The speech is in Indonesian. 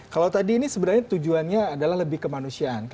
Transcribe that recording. kalau tadi ini sebenarnya tujuannya adalah lebih kemanusiaan